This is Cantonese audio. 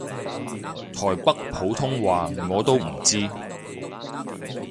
台北普通話我都唔知